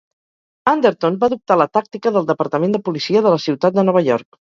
Anderton va adoptar la tàctica del departament de policia de la ciutat de Nova York.